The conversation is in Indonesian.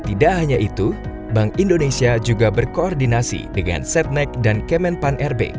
tidak hanya itu bank indonesia juga berkoordinasi dengan setnek dan kemenpan rb